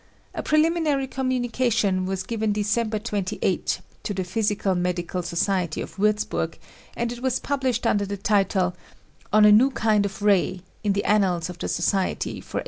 A preliminary communica tion was given December 28 to the Physical Medical Society of Wiirz burg and it was published under the title, "On a New Kind of Ray,'* in the annals of the Society for 1895.